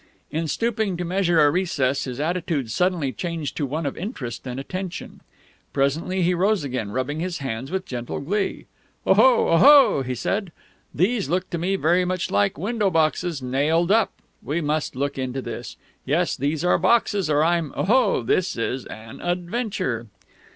In stooping to measure a recess, his attitude suddenly changed to one of interest and attention. Presently he rose again, rubbing his hands with gentle glee. "Oho, oho!" he said. "These look to me very much like window boxes, nailed up. We must look into this! Yes, those are boxes, or I'm ... oho, this is an adventure!"